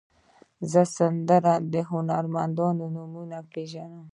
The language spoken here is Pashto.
زه د سندرو د هنرمندانو نومونه پیژنم.